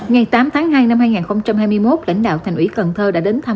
ngày tám tháng hai năm hai nghìn hai mươi một lãnh đạo thành ủy cần thơ đã đến thăm